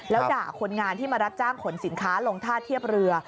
แล้วด่าคนงานที่มารับจ้างขนสินค้าลงท่าเทียบเรือ